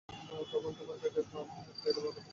তখন তোমার প্লেটে পাউডার থাকত।